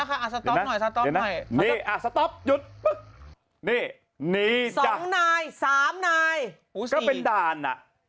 ก็เป็นด่าน